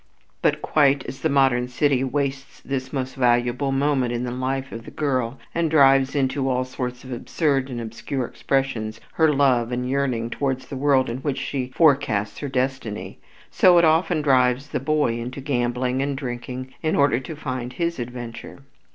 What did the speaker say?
But quite as the modern city wastes this most valuable moment in the life of the girl, and drives into all sorts of absurd and obscure expressions her love and yearning towards the world in which she forecasts her destiny, so it often drives the boy into gambling and drinking in order to find his adventure.